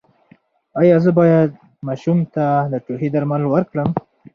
ایا زه باید ماشوم ته د ټوخي درمل ورکړم؟